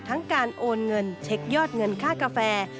การโอนเงินเช็คยอดเงินค่ากาแฟ